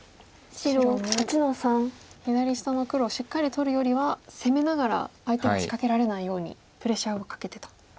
白も左下の黒をしっかり取るよりは攻めながら相手に仕掛けられないようにプレッシャーをかけてと。